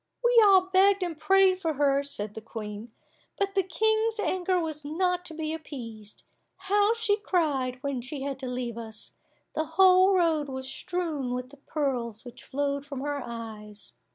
We all begged and prayed for her, said the Queen, "but the King's anger was not to be appeased. How she cried when she had to leave us! The whole road was strewn with the pearls which flowed from her eyes.